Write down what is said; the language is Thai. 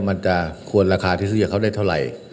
มันจะควรราคาที่ซื้อกับเขาได้เท่าไหร่